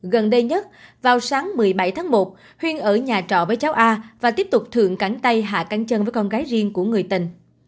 gần đây nhất vào sáng một mươi bảy tháng một huyên ở nhà trọ với cháu a và tiếp tục thượng cảnh tay hạ cánh chân với con gái riêng của người tình